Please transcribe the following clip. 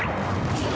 えっ？